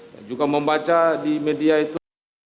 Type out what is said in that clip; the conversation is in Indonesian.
saya juga membaca di media itu